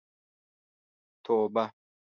توبه.